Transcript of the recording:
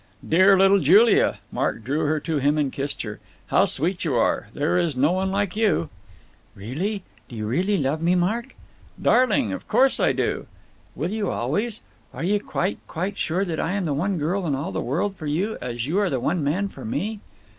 "Dear little Julia!" Mark drew her to him and kissed her. "How sweet you are. There is no one like you!" "Really? Do you really love me, Mark?" "Darling, of course I do." "Will you always? Are you quite, quite sure that I am the one girl in all the world for you, as you are the one man for me?"